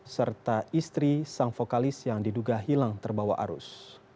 serta istri sang vokalis yang diduga hilang terbawa arus